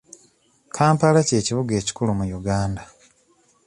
Kampala ky'ekibuga ekikulu mu Uganda.